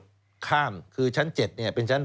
สวัสดีครับคุณผู้ชมค่ะต้อนรับเข้าที่วิทยาลัยศาสตร์